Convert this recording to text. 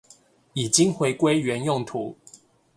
已經回歸原用途